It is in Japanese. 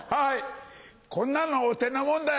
こんなのお手のもんだよ。